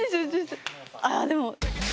ああでも。